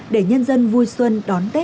để nhân dân vui xuân đón tên